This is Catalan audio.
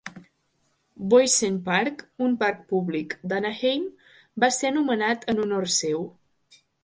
Boysen Park, un parc públic d'Anaheim, va ser nomenat en honor seu.